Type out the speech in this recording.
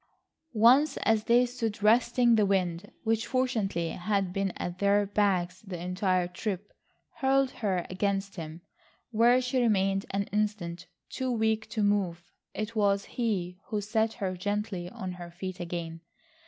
Once as they stood resting the wind, which fortunately had been at their backs the entire trip, hurled her against him, where she remained an instant, too weak to move. It was he who set her gently on her feet again.